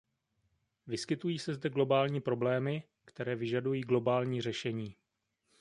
Vyskytují se zde globální problémy, které vyžadují globální řešení.